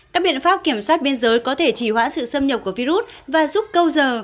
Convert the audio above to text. các biện pháp kiểm soát biên giới có thể chỉ hoãn sự xâm nhập của virus và giúp câu giờ